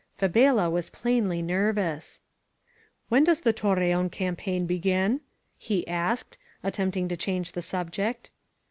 Fabela was plainly nervous. "When does the Torreon campaign begin?" he asked, attempting to change the subject.